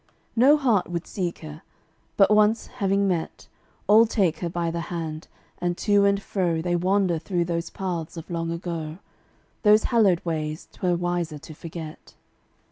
No heart would seek her; but once having met, All take her by the hand, and to and fro They wander through those paths of long ago Those hallowed ways 'twere wiser to forget.